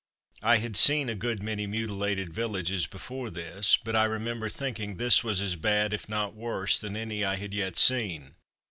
I had seen a good many mutilated villages before this, but I remember thinking this was as bad, if not worse, than any I had yet seen.